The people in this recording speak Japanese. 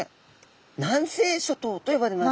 南西諸島と呼ばれます。